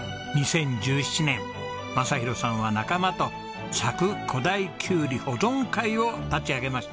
２０１７年正博さんは仲間と佐久古太きゅうり保存会を立ち上げました。